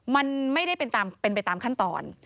มันไม่ได้เป็นไปตามขั้นตอน